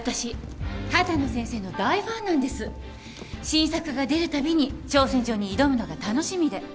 新作が出るたびに挑戦状に挑むのが楽しみで。